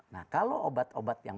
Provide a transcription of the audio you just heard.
nah kalau obat obat yang